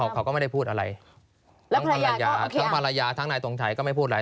เขาก็ไม่ได้พูดอะไรทั้งภรรยาทั้งภรรยาทั้งนายทรงชัยก็ไม่พูดอะไร